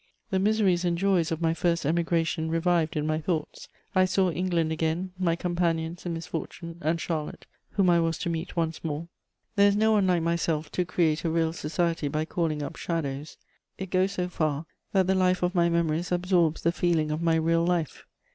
The miseries and joys of my first emigration revived in my thoughts; I saw England again, my companions in misfortune, and Charlotte, whom I was to meet once more. There is no one like myself to create a real society by calling up shadows; it goes so far that the life of my memories absorbs the feeling of my real life.